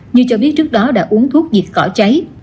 như cho biết trước đó đã uống thuốc diệt cỏ cháy